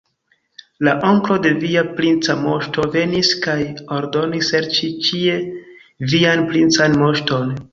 La onklo de via princa moŝto venis kaj ordonis serĉi ĉie vian princan moŝton.